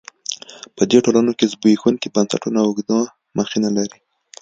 په دې ټولنو کې زبېښونکي بنسټونه اوږده مخینه لري.